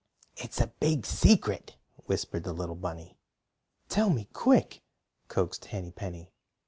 "It's a big secret," whispered the little bunny. "Tell me quick," coaxed Henny Penny.